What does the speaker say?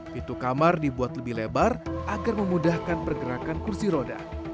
pintu kamar dibuat lebih lebar agar memudahkan pergerakan kursi roda